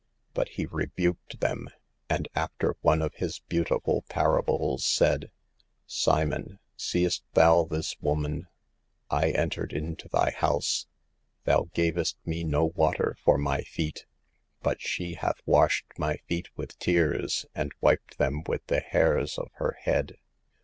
But He rebuked them, and, after one of His beautiful parables, said: " Simon, seest thou this woman? I en tered into thy house, thou gavest me no water HOW TO SAVE OUR ERRING SISTERS. 255 for my feet ; but she hath washed my feet with tears, and wiped them with the hairs of her head.